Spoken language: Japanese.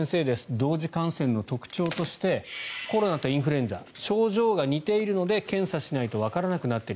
同時感染の特徴としてコロナとインフルエンザ症状が似ているので検査しないとわからなくなっている。